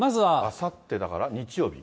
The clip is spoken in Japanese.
あさってだから日曜日？